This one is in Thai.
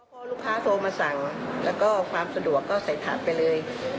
พอลูกค้าโทรมาสั่งแล้วก็ความสะดวกก็ใส่ถังไปเลย